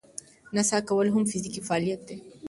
نڅا کول هم فزیکي فعالیت دی.